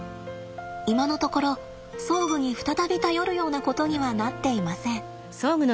今のところ装具に再び頼るようなことにはなっていません。